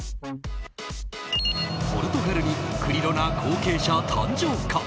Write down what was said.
ポルトガルにクリロナ後継者誕生か。